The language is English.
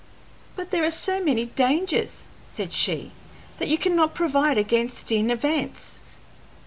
"But there are so many dangers," said she, "that you cannot provide against in advance."